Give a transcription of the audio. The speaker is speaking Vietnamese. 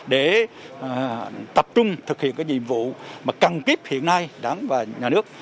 để tập trung thực hiện cái nhiệm vụ mà cần kiếp hiện nay đáng và nhà nước